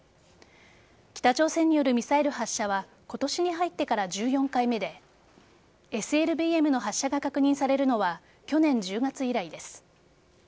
北朝鮮によるミサイル発射は今年に入ってから１４回目でＳＬＢＭの発射が確認されるのは去年１０月以来です。